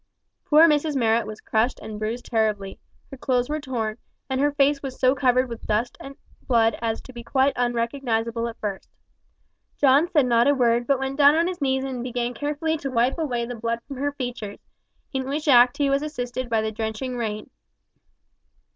Poor Mrs Marrot was crushed and bruised terribly. Her clothes were torn, and her face was so covered with blood and dust as to be quite unrecognisable at first. John said not a word, but went down on his knees and began carefully to wipe away the blood from her features, in which act he was assisted by the drenching rain.